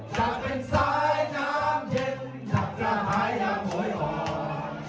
จะเป็นสายน้ำเย็นจับจะหายอย่างโหยห่อน